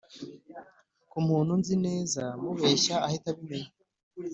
Kumuntu unzi neza mubeshye ahita abimenya